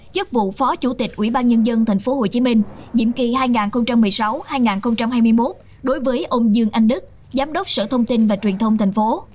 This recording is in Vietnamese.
giúp vụ phó chủ tịch ubnd tp hcm diễm kỳ hai nghìn một mươi sáu hai nghìn hai mươi một đối với ông dương anh đức giám đốc sở thông tin và truyền thông tp